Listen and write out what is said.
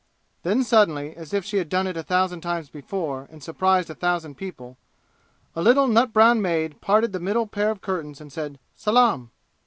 Then suddenly, as if she had done it a thousand times before and surprised a thousand people, a little nut brown maid parted the middle pair of curtains and said "Salaam!"